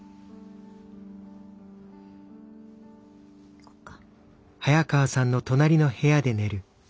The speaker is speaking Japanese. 行こっか。